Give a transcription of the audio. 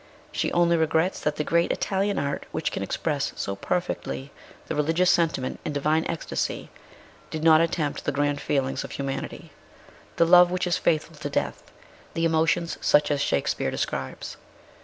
She only regrets that the great Italian art which can express so perfectly the religious sentiment and divine ecstasy did not attempt the grand feelings of humanity, the love which is faithful to death, the emotions such as Shakespeare describes.